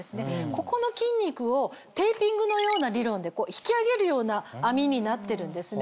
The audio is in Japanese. ここの筋肉をテーピングのような理論で引き上げるような編みになってるんですね。